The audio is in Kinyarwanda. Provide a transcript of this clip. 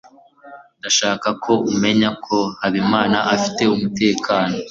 Ndashaka ko umenya ko Habimana afite umutekano.